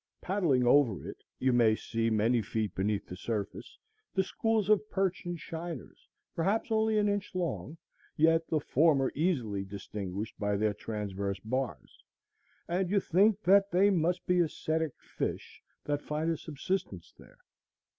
Paddling over it, you may see, many feet beneath the surface the schools of perch and shiners, perhaps only an inch long, yet the former easily distinguished by their transverse bars, and you think that they must be ascetic fish that find a subsistence there.